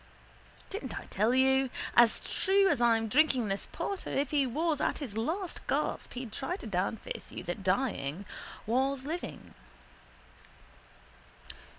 Didn't I tell you? As true as I'm drinking this porter if he was at his last gasp he'd try to downface you that dying was living.